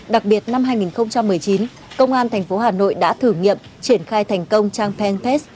đặc biệt năm hai nghìn một mươi chín công an tp hà nội đã thử nghiệm triển khai thành công trang penpes